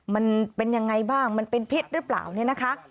มันเป็นยังไงบ้างมันเป็นพิษหรือเปล่าเนี่ยนะคะ